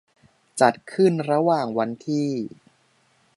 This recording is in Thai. จัดขึ้นระหว่างวันที่